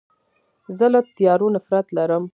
زه له تیارو نفرت لرم.